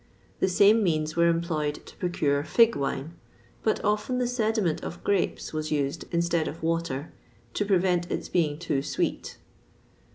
[XXVI 44] The same means were employed to procure fig wine; but often the sediment of grapes was used instead of water, to prevent its being too sweet.